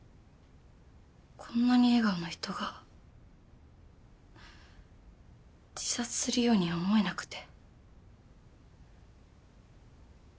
こんなに笑顔の人が自殺するように思えなくて。